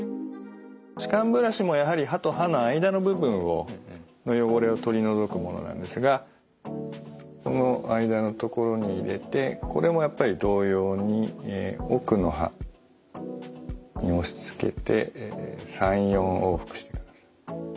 歯間ブラシもやはり歯と歯の間の部分の汚れを取り除くものなんですがこの間の所に入れてこれもやっぱり同様に奥の歯に押しつけて３４往復し。